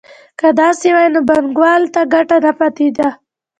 که داسې وای نو بانکوال ته ګټه نه پاتېده